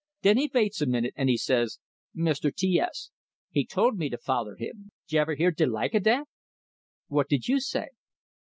Den he vaits a minute, and he says, 'Mr. T S, he told me to foller him!' J' ever hear de like o' dat?" "What did you say?"